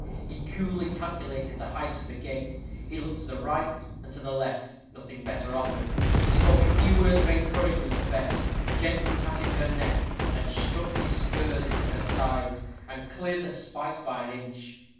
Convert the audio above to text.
He coolly calculated the height of the gate; he looked to the right and to the left nothing better offered; he spoke a few words of encouragement to Bess, gently patted her neck, then struck his spurs into her sides, and cleared the spikes by an inch.